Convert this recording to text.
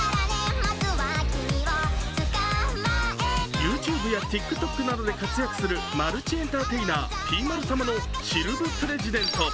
ＹｏｕＴｕｂｅやＴｉｋＴｏｋなどで活躍するマルチエンターテイナー、Ｐ丸様の「シル・ヴ・プレジデント」。